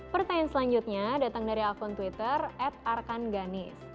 pertanyaan selanjutnya datang dari akun twitter atarkanganis